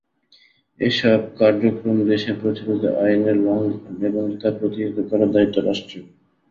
এসব কার্যক্রম দেশের প্রচলিত আইনের লঙ্ঘন এবং তা প্রতিহত করার দায়িত্ব রাষ্ট্রের।